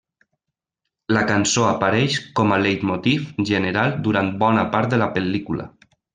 La cançó apareix com a leitmotiv general durant bona part de la pel·lícula.